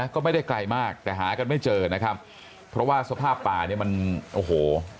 ก็ไม่ได้ไกลมากแต่หากันไม่เจอนะครับเพราะว่าสภาพป่าเนี่ยมันโอ้โห